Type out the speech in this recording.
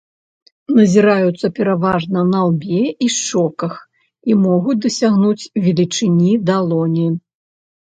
Назіраюцца пераважна на лбе і шчоках і могуць дасягнуць велічыні далоні.